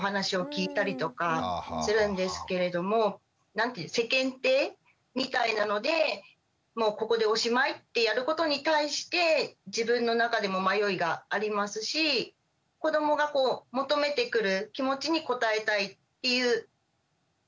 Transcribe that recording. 結構周りでも世間体みたいなのでもうここでおしまいってやることに対して自分の中でも迷いがありますし子どもがこう求めてくる気持ちに応えたいっていう揺れがあります。